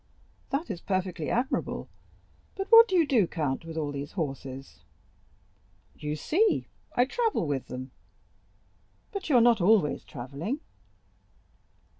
"That is perfectly admirable; but what do you do, count, with all these horses?" "You see, I travel with them." "But you are not always travelling."